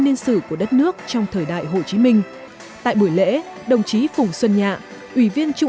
niên sử của đất nước trong thời đại hồ chí minh tại buổi lễ đồng chí phùng xuân nhạ ủy viên trung